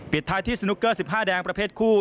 ท้ายที่สนุกเกอร์๑๕แดงประเภทคู่